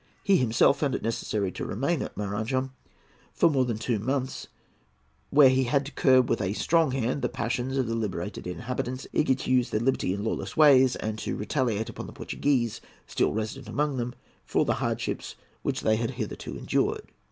He himself found it necessary to remain at Maranham for more than two months, where he had to curb with a strong hand the passions of the liberated inhabitants, eager to use their liberty in lawless ways and to retaliate upon the Portuguese still resident among them for all the hardships which they had hitherto endured.